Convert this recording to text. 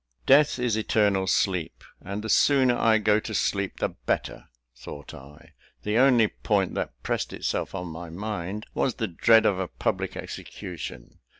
"Death is eternal sleep, and the sooner I go to sleep the better!" thought I. The only point that pressed itself on my mind was the dread of a public execution.